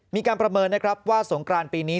มีการประเมินนะครับว่าสงกรานปีนี้